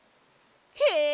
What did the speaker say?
へえ！